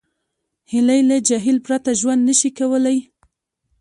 هیلۍ له جهیل پرته ژوند نشي کولی